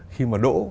khi mà đỗ